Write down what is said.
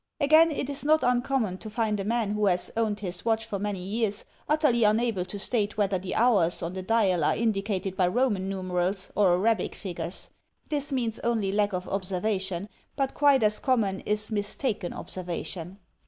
Again, it is not uncommon to find a man who has owned his watch for many years, utterly xmable to state whether the hours on the dial are indicated by Roman numerals or Arabic figures. This means only lack of observation, but quite as common is mistaken observation.